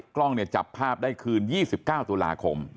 กล้องเนี่ยจับภาพได้คืน๒๙ตุลาคม